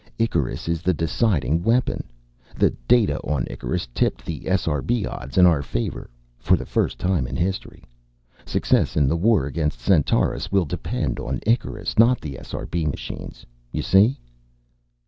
Icarus is the deciding weapon. The data on Icarus tipped the SRB odds in our favor for the first time in history. Success in the war against Centaurus will depend on Icarus, not on the SRB machines. You see?"